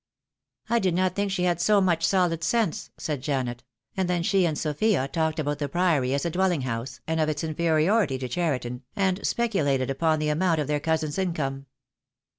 "I did not think she had so much solid sense," said Janet, and then she and Sophia talked about the Priory as a dwelling house, and of its inferiority to Cheriton, and speculated upon the amount of their cousin's in come.